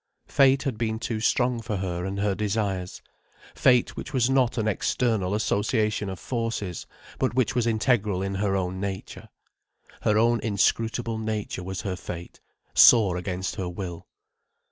Fate had been too strong for her and her desires: fate which was not an external association of forces, but which was integral in her own nature. Her own inscrutable nature was her fate: sore against her will.